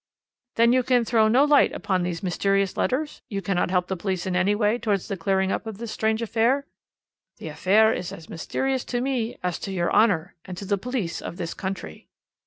"'Then you can throw no light upon these mysterious letters? You cannot help the police in any way towards the clearing up of this strange affair?' "'The affair is as mysterious to me as to your Honour, and to the police of this country.'